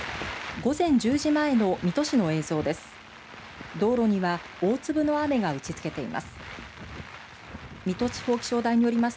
午前１０時前の水戸市の映像です。